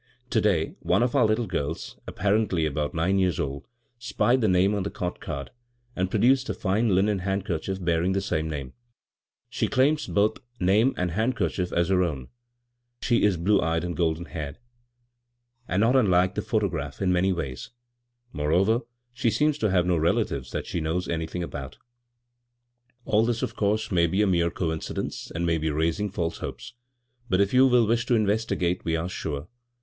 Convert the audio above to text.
To day one of our litde girls, apparently about nine years old, spied the name on the cot card, and produced a fine linen handkerchief bear ing the same name. She claims both name 193 CROSS tJUKKEN 13 and handkerchief as her own. She is blue eyed and golden haired, and not unlike the photograph in many ways. Moreover, she seems to have no relatives that she knows anything about " All this, of course, may be a mere coinci dence, and may be raising false hopes ; but you will wish to investigate, we are sure.